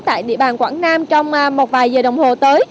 tại địa bàn quảng nam trong một vài giờ đồng hồ tới